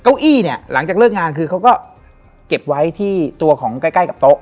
เก้าอี้เนี่ยหลังจากเลิกงานคือเขาก็เก็บไว้ที่ตัวของใกล้ใกล้กับโต๊ะ